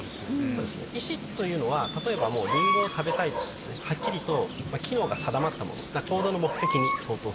そうですね意志というのは例えばリンゴを食べたいとかはっきりと機能が定まったもの。